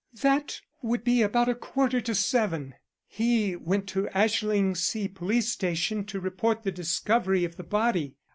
That would be about a quarter to seven. He went to Ashlingsea police station to report the discovery of the body.